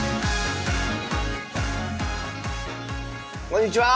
こんにちは。